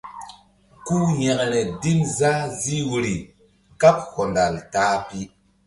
Ku yȩkre dim zah zih wori kaɓ hɔndal ta-a pi.